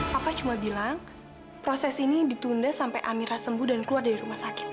papa cuma bilang proses ini ditunda sampai amira sembuh dan keluar dari rumah sakit